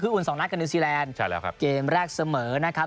คืออุ่นสองนักกับนิวซีแลนด์เกมแรกเสมอนะครับ